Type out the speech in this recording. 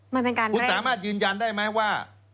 มันเป็นการคุณสามารถยืนยันได้ไหมว่า